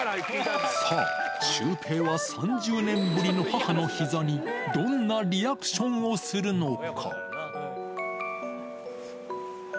さあ、シュウペイは３０年ぶりの母のひざに、どんなリアクションをするのか。